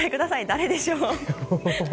誰でしょう。